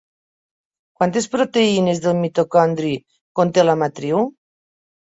Quantes proteïnes del mitocondri conté la matriu?